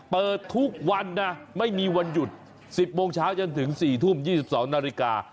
เปิดทุกวันนะไม่มีวันหยุด๑๐โมงเช้าจนถึง๔ทุ่ม๒๒นาฬิกา